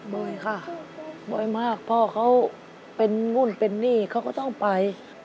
บ่อยค่ะบ่อยมากพ่อเขาเป็นนู่นเป็นนี่เขาก็ต้องไป